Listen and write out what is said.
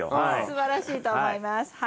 すばらしいと思いますはい。